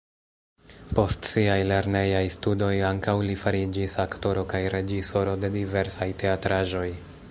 Post siaj lernejaj studoj ankaŭ li fariĝis aktoro kaj reĝisoro de diversaj teatraĵoj.